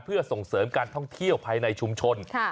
เพื่อส่งเสริมการท่องเที่ยวภายในชุมชน